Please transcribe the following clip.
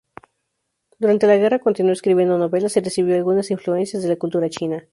Durante la guerra continuó escribiendo novelas y recibió algunas influencias de la cultura china.